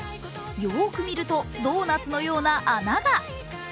よーく見ると、ドーナツのような穴が。